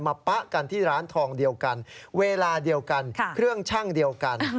ป๊ะกันที่ร้านทองเดียวกันเวลาเดียวกันเครื่องชั่งเดียวกัน